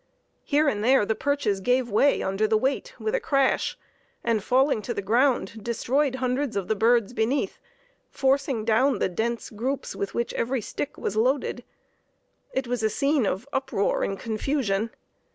Here and there the perches gave way under the weight with a crash, and, falling to the ground destroyed hundreds of the birds beneath, forcing down the dense groups with which every stick was loaded. It was a scene of uproar and confusion.